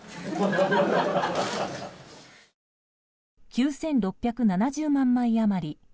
９６７０万枚余り。